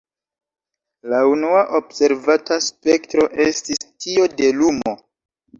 La unua observata spektro estis tio de lumo.